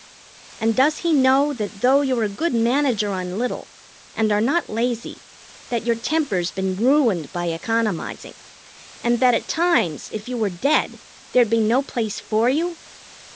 And does he know that though you're a good manager on little and are not lazy, that your temper's been ruined by economizing, and that at times, if you were dead, there'd be no place for you?